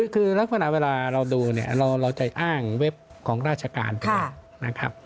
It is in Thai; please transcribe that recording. คือลักษณะเวลาเราดูเราจะอ้างเว็บของราชการตัว